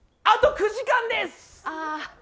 あと９時間です。